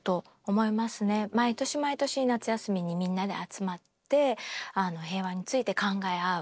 毎年毎年夏休みにみんなで集まって平和について考え合う。